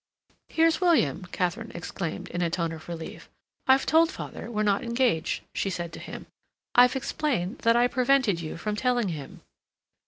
"Here's William," Katharine exclaimed, in a tone of relief. "I've told father we're not engaged," she said to him. "I've explained that I prevented you from telling him."